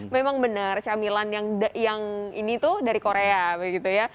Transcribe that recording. memang benar camilan yang ini tuh dari korea begitu ya